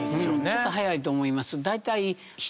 ちょっと早いと思います。